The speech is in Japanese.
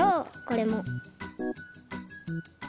これも。